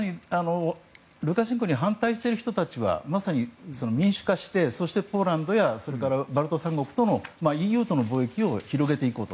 ルカシェンコには反対している人たちはまさに民主化してポーランドやバルト三国ともＥＵとの貿易を広げていこうと。